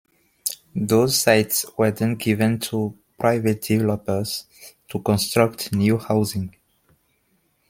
Those sites were then given to private developers to construct new housing.